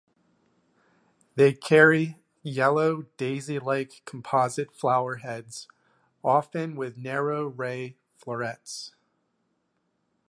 They carry yellow daisy-like composite flowerheads often with narrow ray-florets.